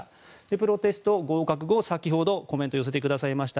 プロテスト合格後、先ほどコメントを寄せてくださいました